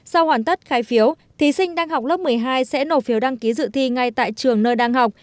sau hoàn tất khai phiếu thí sinh đang học lớp một mươi hai sẽ nộp phiếu đăng ký dự thi ngay tại trường nơi đang học